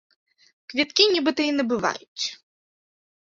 Квіткі нібыта і набываюць.